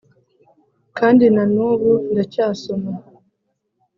. Kandi na n’ubu ndacyasoma,